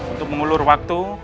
untuk mengulur waktu